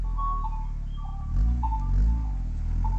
তাই সাগর সৈকতে হাত বাড়ালে মানুষের সঙ্গে গাঙ পাখি খেলা করে।